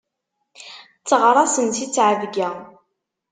Tteɣraṣen si ttɛebga.